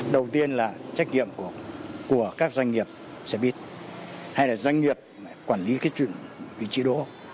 đầu tiên là trách nhiệm của các doanh nghiệp xe buýt hay là doanh nghiệp quản lý cái chuyện vị trí đỗ